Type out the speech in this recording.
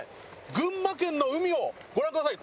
群馬県の海をご覧ください。